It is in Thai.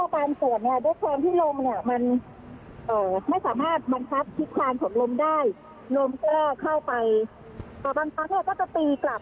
เพราะว่าทางอ่าตำรวจก็ยังทงทำงานกับคนที่นะคะ